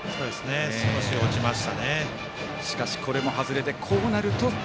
少し落ちましたね。